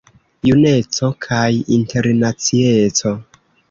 Juneco kaj internacieco.